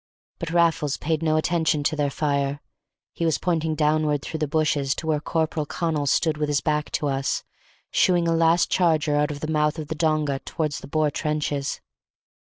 But Raffles paid no attention to their fire; he was pointing downward through the bushes to where Corporal Connal stood with his back to us, shooing a last charger out of the mouth of the donga towards the Boer trenches.